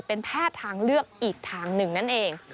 เป็นแพทย์ทางเลือกอีกทางหนึ่งนั่นเอง